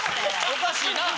おかしいな。